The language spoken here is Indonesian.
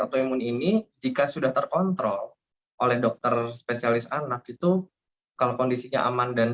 autoimun ini jika sudah terkontrol oleh dokter spesialis anak itu kalau kondisinya aman dan